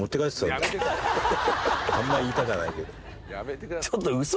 あんま言いたかないけど。